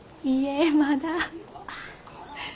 いえまだ。